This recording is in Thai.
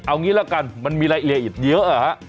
เอางี้ละกันมันมีรายละเอียดอีกเยอะ